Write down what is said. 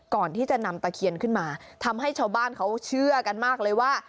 ก่อนที่จะนำตะเคียนขึ้นมาทำให้ชาวบ้านเขาเชื่อกันมากเลยว่า